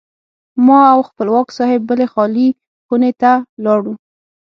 ما او خپلواک صاحب بلې خالي خونې ته لاړو.